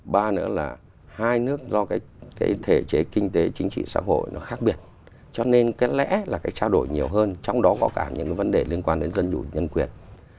ba nữa là hai nước do cái thể chế kinh tế chính trị xã hội nó khác biệt cho nên cái lẽ là cái trao đổi nhiều hơn trong đó có cả những cái vấn đề liên quan đến dân dụ nhân quyền